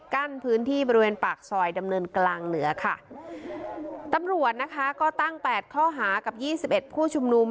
กั้นพื้นที่บริเวณปากซอยดำเนินกลางเหนือค่ะตำรวจนะคะก็ตั้งแปดข้อหากับยี่สิบเอ็ดผู้ชุมนุม